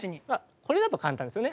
これだと簡単ですよね。